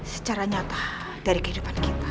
secara nyata dari kehidupan kita